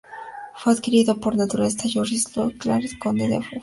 Fue adquirido por el naturalista Georges-Louis Leclerc, Conde de Buffon.